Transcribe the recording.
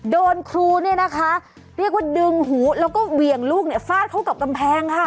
โดนครูเนี่ยนะคะเรียกว่าดึงหูแล้วก็เหวี่ยงลูกเนี่ยฟาดเข้ากับกำแพงค่ะ